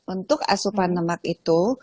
untuk asupan lemak itu